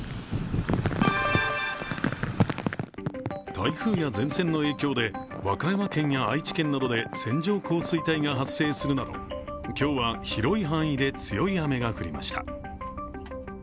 台風や前線の影響で和歌山県や愛知県などで線状降水帯が発生するなど今日は広い範囲で強い雨が降りました。